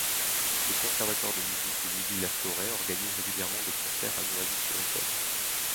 Le conservatoire de musique de Milly-la-Forêt organise régulièrement des concerts à Noisy-sur-école.